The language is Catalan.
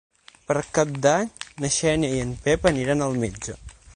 Per Cap d'Any na Xènia i en Pep aniran al metge.